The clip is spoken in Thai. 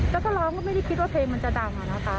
แล้วก็ร้องก็ไม่ได้คิดว่าเพลงมันจะดังอะนะคะ